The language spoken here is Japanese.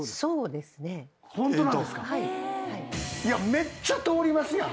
めっちゃ通りますやん。